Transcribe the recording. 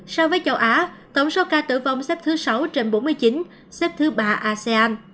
so với châu á tổng số ca tử vong xếp thứ sáu trên bốn mươi chín xếp thứ ba asean